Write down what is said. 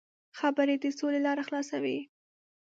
خبرې د سولې لاره خلاصوي.